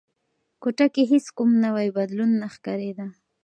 کوټه کې هیڅ کوم نوی بدلون نه ښکارېده.